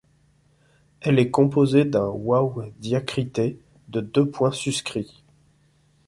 Elle est composée d’un wāw diacrité de deux points suscrits.